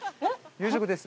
夕食です。